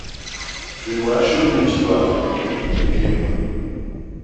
Je dois achever mon histoire pour que tu aies toutes les clés en main.